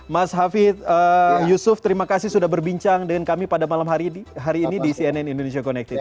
mas hafid yusuf terima kasih sudah berbincang dengan kami pada malam hari ini di cnn indonesia connected